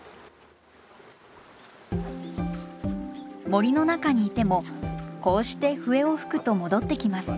森の中にいてもこうして笛を吹くと戻ってきます。